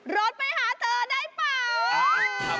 ร้อนไปหาเธอได้ป่าว